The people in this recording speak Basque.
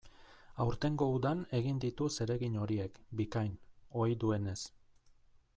Aurtengo udan egin ditu zeregin horiek, bikain, ohi duenez.